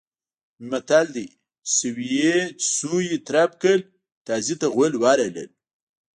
متل دی: چې سویې ترپ کړل تازي ته غول ورغلل.